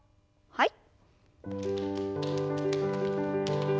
はい。